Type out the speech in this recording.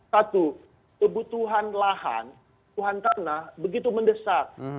satu kebutuhan lahan kebutuhan tanah begitu mendesak